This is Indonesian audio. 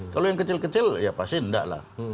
kalau yang kecil kecil ya pasti enggak lah